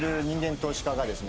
投資家がですね